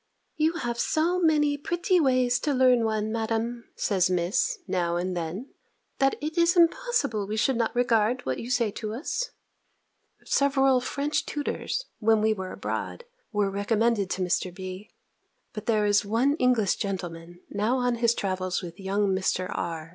"You have so many pretty ways to learn one, Madam," says Miss, now and then, "that it is impossible we should not regard what you say to us!" Several French tutors, when we were abroad, were recommended to Mr. B. But there is one English gentleman, now on his travels with young Mr. R.